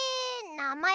なまえ？